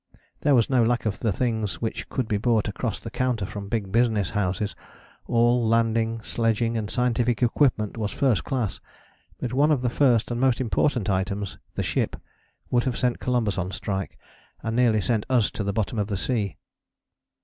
There was no lack of the things which could be bought across the counter from big business houses all landing, sledging, and scientific equipment was first class but one of the first and most important items, the ship, would have sent Columbus on strike, and nearly sent us to the bottom of the sea.